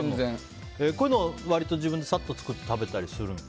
こういうのは割と自分でサッと作って食べたりするの？